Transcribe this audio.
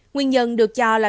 nguyên nhân được cho là